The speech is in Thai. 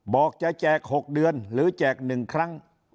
บอกจะแจก๖เดือนหรือแจก๑ครั้ง